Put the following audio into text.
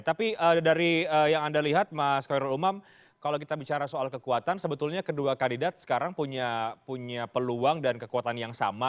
tapi dari yang anda lihat mas khairul umam kalau kita bicara soal kekuatan sebetulnya kedua kandidat sekarang punya peluang dan kekuatan yang sama